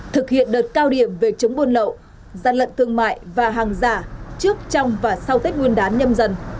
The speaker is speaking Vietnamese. thực hiện đợt cao điểm về chống buôn lậu gian lận thương mại và hàng giả trước trong và sau tết nguyên đán nhâm dần